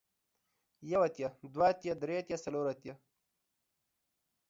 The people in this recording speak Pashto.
يو اتيا ، دوه اتيا ، دري اتيا ، څلور اتيا ،